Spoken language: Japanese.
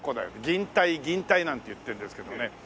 銀泰銀泰なんて言ってるんですけどね。